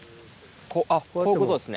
あっこういうことですね。